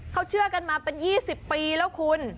เขาเชื่อกันมาเป็น๒๐ปีแล้วคุณ